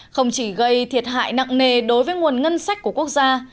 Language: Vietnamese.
không chỉ gây thiệt hại nặng nề đối với nguồn ngân sách của quốc gia